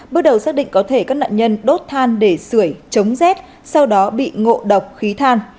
bước đầu xác định có thể các nạn nhân đốt than để sửa chống rét sau đó bị ngộ độc khí than